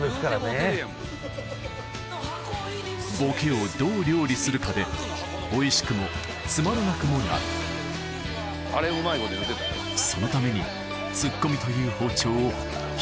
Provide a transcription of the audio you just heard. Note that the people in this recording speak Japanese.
ボケをどう料理するかでおいしくもつまらなくもなるそのためにハゲとるやないか！